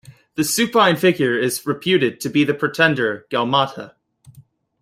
The supine figure is reputed to be the pretender Gaumata.